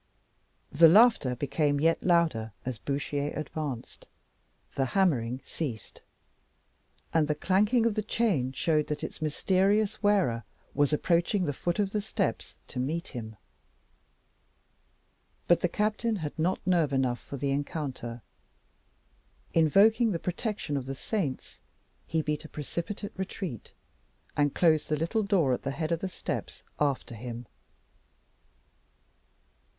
The laughter became yet louder as Bouchier advanced, the hammering ceased, and the clanking of the chain showed that its mysterious wearer was approaching the foot of the steps to meet him. But the captain had not nerve enough for the encounter. Invoking the protection of the saints, he beat a precipitate retreat, and closed the little door at the head of the steps after him.